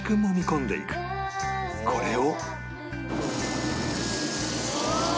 これを